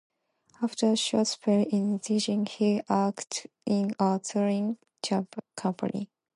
After a short spell in teaching she acted in a touring company.